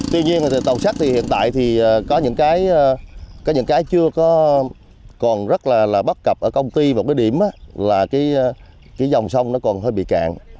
tuy nhiên tàu sắt hiện tại có những cái chưa còn rất là bắt cập ở công ty và một cái điểm là cái dòng sông nó còn hơi bị cạn